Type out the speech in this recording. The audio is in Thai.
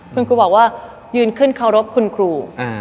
คุณครูบอกว่ายืนขึ้นเคารพคุณครู